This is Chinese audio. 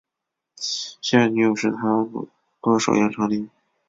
现任女友是台湾歌手杨丞琳。